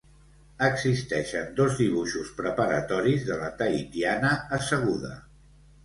Existeixen dos dibuixos preparatoris de la tahitiana asseguda.